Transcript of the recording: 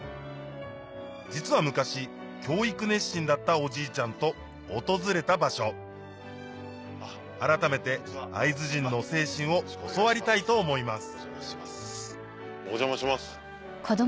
実は昔教育熱心だったおじいちゃんと訪れた場所改めて会津人の精神を教わりたいと思いますお邪魔します。